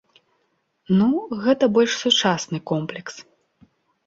Ну, гэта больш сучасны комплекс.